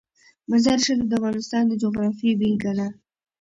مزارشریف د افغانستان د جغرافیې بېلګه ده.